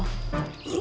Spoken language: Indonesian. apaan sih cit